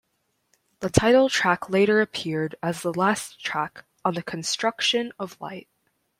The title track later appeared as the last track on "the construKction of light".